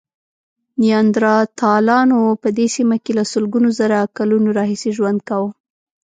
نیاندرتالانو په دې سیمه کې له سلګونو زره کلونو راهیسې ژوند کاوه.